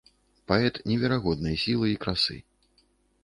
Паэт неверагоднай сілы і красы.